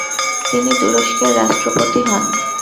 তিনি তুরস্কের রাষ্ট্রপতি হন।